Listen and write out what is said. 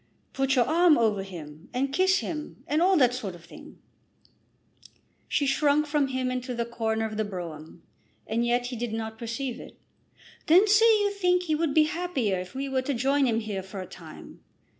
Put your arm over him, and kiss him, and all that sort of thing." She shrunk from him into the corner of the brougham, and yet he did not perceive it. "Then say that you think he would be happier if we were to join him here for a time.